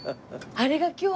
あれが今日。